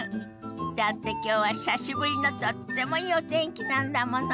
だってきょうは久しぶりのとってもいいお天気なんだもの。